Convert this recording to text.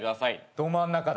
ど真ん中だ。